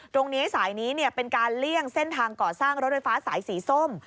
ตรงนี้สายนี้เป็นการเลี่ยงเส้นทางก่อสร้างรถไฟฟ้าสายสีส้ม